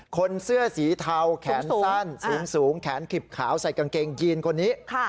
คนเสื้อสีเทาแขนสั้นสูงแขนขิบขาวใส่กางเกงยีนคนนี้